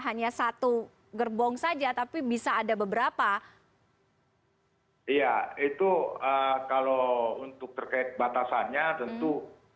hanya satu gerbong saja tapi bisa ada beberapa ya itu kalau untuk terkait batasannya tentu